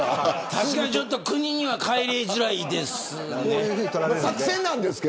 確かに国には帰りづらいですね。